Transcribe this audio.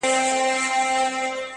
د حقیقت غږ ورو خو پیاوړی وي،